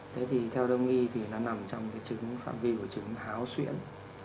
thế thì theo đông y thì nó nằm trong phạm vi của chứng háo xuyễn